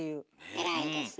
偉いですね。